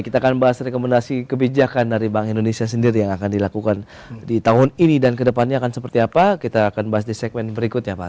tumbuh yang tertekan itu